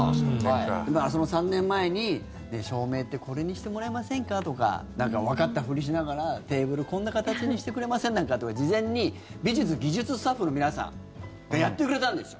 その３年前に、照明ってこれにしてもらえませんか？とか何かわかったふりしながらテーブルこんな形にしてくれません？とか事前に美術・技術スタッフの皆さんやってくれたんですよ。